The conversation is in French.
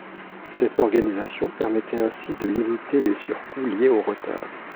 Cette organisation permettait ainsi de limiter les surcoûts liées au retard.